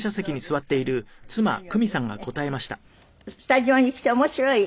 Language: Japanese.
スタジオに来て面白い？